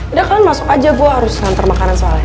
udah kalian masuk aja gue harus hantar makanan soalnya